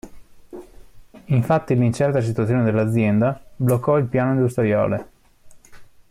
Infatti l'incerta situazione dell'azienda, bloccò il "piano industriale".